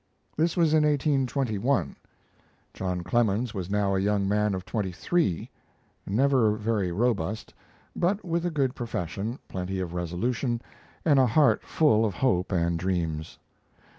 This was in 1821. John Clemens was now a young man of twenty three, never very robust, but with a good profession, plenty of resolution, and a heart full of hope and dreams.